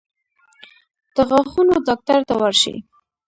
د غاښونو ډاکټر ته ورشئ